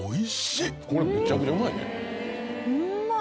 これめちゃくちゃうまいねうまっ！